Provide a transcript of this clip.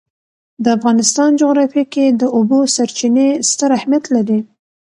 د افغانستان جغرافیه کې د اوبو سرچینې ستر اهمیت لري.